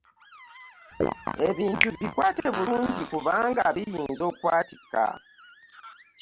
Ebintu bikwate bulungi kubanga birinza okwatika.